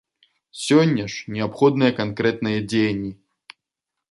Сёння ж неабходныя канкрэтныя дзеянні.